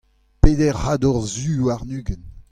peder c'hador zu warn-ugent.